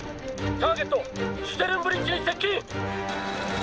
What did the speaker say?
「ターゲットシュテルンブリッジに接近！」